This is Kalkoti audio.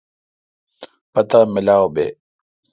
پتا ملاو بی۔